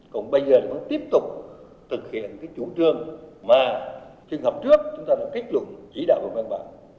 còn bây giờ chúng ta tiếp tục thực hiện cái chủ trương mà phiên họp trước chúng ta đã kết luận chỉ đạo bằng văn bản